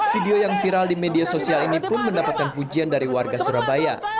video yang viral di media sosial ini pun mendapatkan pujian dari warga surabaya